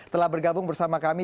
telah bergabung bersama kami